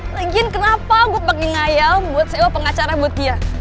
lagian kenapa gue pake ngayal buat sewa pengacara buat dia